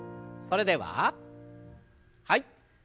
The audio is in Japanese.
それでははい。